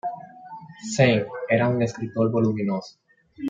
Zeng era un escritor voluminoso.